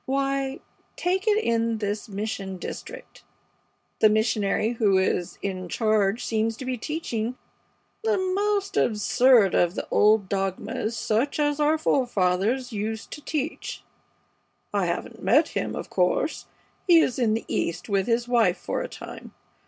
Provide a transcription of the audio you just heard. Why, take it in this mission district. The missionary who is in charge seems to be teaching the most absurd of the old dogmas such as our forefathers used to teach. I haven't met him, of course. He is in the East with his wife for a time.